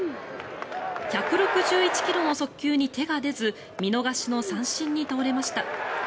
１６１ｋｍの速球に手が出ず見逃しの三振に倒れました。